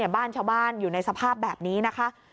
บ้านชาวบ้านอยู่ในสภาพแบบนี้นะคะ